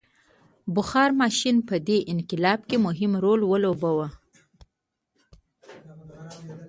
بخار ماشین په دې انقلاب کې مهم رول ولوباوه.